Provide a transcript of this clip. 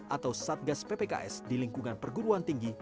atau satgas ppks di lingkungan perguruan tinggi